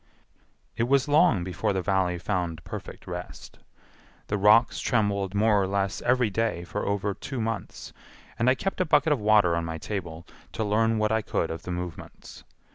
It was long before the Valley found perfect rest. The rocks trembled more or less every day for over two months, and I kept a bucket of water on my table to learn what I could of the movements.